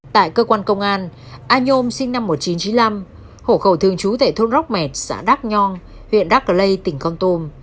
tại cơ quan công an anom sinh năm một nghìn chín trăm chín mươi năm hồ khẩu thường trú tại thôn róc mẹt xã đắc nhon huyện đắc lây tỉnh con tôm